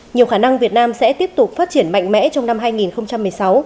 nhiều khả năng việt nam sẽ tiếp tục phát triển mạnh mẽ trong năm hai nghìn một mươi sáu